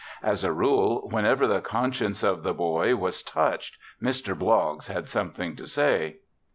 As a rule whenever the conscience of the boy was touched Mr. Bloggs had something to say.